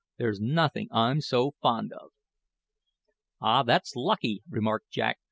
There's nothing I'm so fond of." "Ah! that's lucky," remarked Jack.